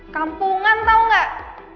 kampungan tau gak